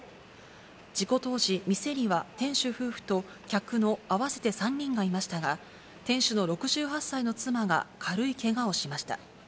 事故当時、店には店主夫婦と客の合わせて３人がいましたが、店主の６８歳の妻が軽いけがをしました。